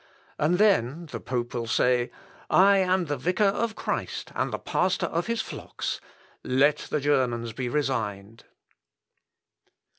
And then the pope will say, 'I am the vicar of Christ, and the pastor of his flocks. Let the Germans be resigned.'"